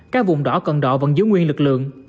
các vùng đỏ cận đỏ vẫn giữ nguyên lực lượng